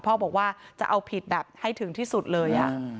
พ่อบอกว่าจะเอาผิดแบบให้ถึงที่สุดเลย